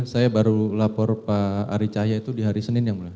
saya baru lapor pak ari cahaya itu di hari senin ya mbak